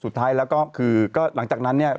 สุดท้ายแล้วก็คือก็หลังจากนั้นเนี่ย